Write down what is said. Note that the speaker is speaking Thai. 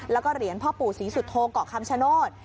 แล้วก็เหรียญพ่อปู่ศรีสุโธเกาะคำชโนธ